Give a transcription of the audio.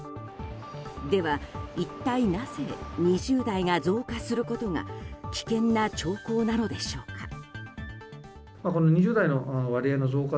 では、一体なぜ２０代が増加することが危険な兆候なのでしょうか。